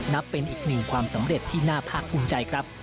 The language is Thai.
นับเป็นอีกหนึ่งความสำเร็จที่น่าภาคภูมิใจครับ